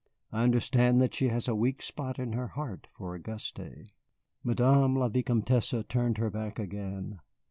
I understand that she has a weak spot in her heart for Auguste." Madame la Vicomtesse turned her back again.